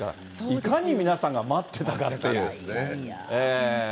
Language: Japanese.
いかに皆さんが待っていたかっていう。